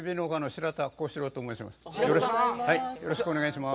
白田さん、よろしくお願いします。